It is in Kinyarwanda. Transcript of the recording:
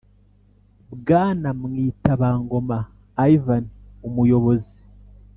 Bwana mwitabangoma yvan umuyobozi